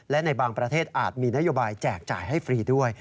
และในบางประเทศอาจมีนโยบายแจกจ่ายให้ฟรีด้วย